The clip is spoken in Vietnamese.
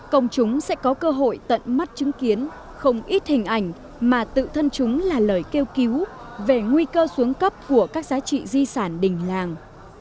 công chúng sẽ có cơ hội tận mắt chứng kiến không ít hình ảnh mà tự thân chúng là lời kêu cứu về nguy cơ xuống cấp của các giá trị di sản đình làng